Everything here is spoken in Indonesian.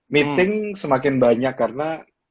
meeting semakin banyak karena